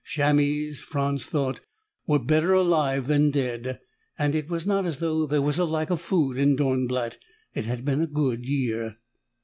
Chamois, Franz thought, were better alive than dead and it was not as though there was a lack of food in Dornblatt. It had been a good year.